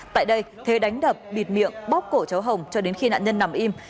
tại đây thế đánh đập bịt miệng bóp cổ cháu hồng cho đến khi nạn nhân nằm im